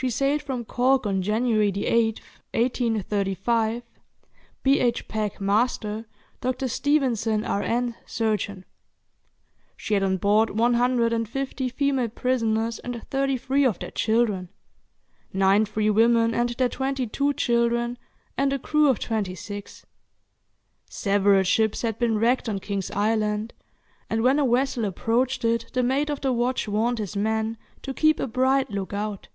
She sailed from Cork on January 8th, 1835, B. H. Peck, master; Dr. Stevenson, R.N., surgeon. She had on board 150 female prisoners and thirty three of their children, nine free women and their twenty two children, and a crew of twenty six. Several ships had been wrecked on King's Island, and when a vessel approached it the mate of the watch warned his men to keep a bright look out.